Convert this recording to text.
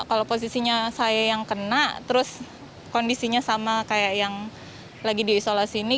kalau posisinya saya yang kena terus kondisinya sama kayak yang lagi diisolasi ini